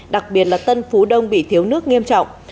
đặc biệt là tân phú đông bị thiếu nước nghiêm trọng